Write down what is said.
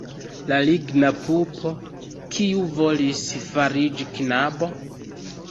La ligna pupo, kiu volis fariĝi knabo?